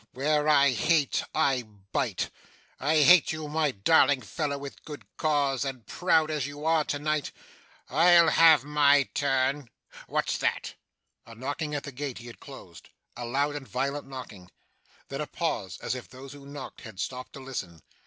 Where I hate, I bite. I hate you, my darling fellow, with good cause, and proud as you are to night, I'll have my turn. What's that?' A knocking at the gate he had closed. A loud and violent knocking. Then, a pause; as if those who knocked had stopped to listen.